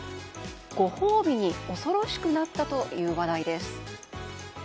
ご褒美に恐ろしくなったという話題です。